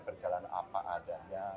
berjalan apa adanya